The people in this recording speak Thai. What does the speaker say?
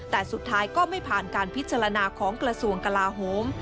แต่สุดท้ายก็ไม่ผ่านการพิจารณาของกระทรวงกลาโฮม